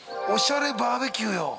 おしゃれバーベキューよ。